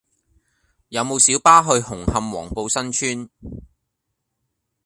有無小巴去紅磡黃埔新邨